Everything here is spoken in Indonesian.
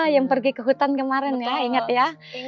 yang pergi ke hutan kemarin ya ingat ya